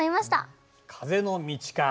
風の道か。